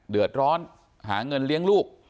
เดือดร้อนหาเงินเลี้ยงลูก